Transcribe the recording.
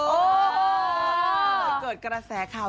หรือเกิดกระแสข่าว